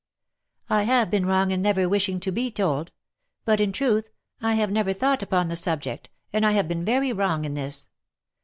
" I have been wrong in never wishing to be told; but, in truth, I have never thought upon the subject, and I have been very wrong in this.